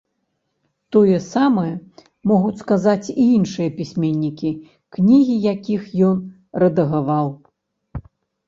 Тое самае могуць сказаць і іншыя пісьменнікі, кнігі якіх ён рэдагаваў.